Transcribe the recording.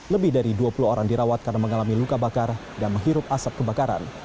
lebih dari dua puluh orang dirawat karena mengalami luka bakar dan menghirup asap kebakaran